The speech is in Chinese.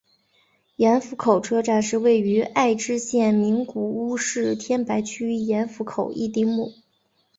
盐釜口车站是位于爱知县名古屋市天白区盐釜口一丁目。